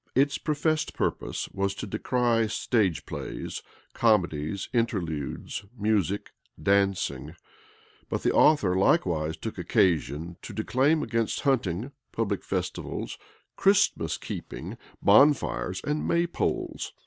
Its professed purpose was to decry stage plays, comedies, interludes, music, dancing; but the author likewise took occasion to declaim against hunting, public festivals, Christmas keeping, bonfires, and may poles.